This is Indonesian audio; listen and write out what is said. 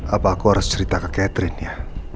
apa aku harus cerita ke catherine ya